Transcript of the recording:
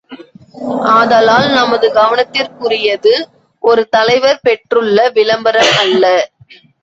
ஆதலால், நமது கவனத்திற்குரியது ஒரு தலைவர் பெற்றுள்ள விளம்பரம் அல்ல.